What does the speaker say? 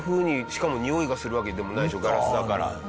しかもにおいがするわけでもないしガラスだから。